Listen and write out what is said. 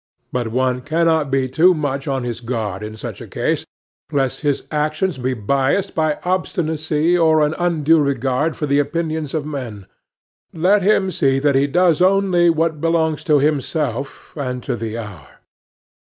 But one cannot be too much on his guard in such a case, lest his actions be biassed by obstinacy, or an undue regard for the opinions of men. Let him see that he does only what belongs to himself and to the hour.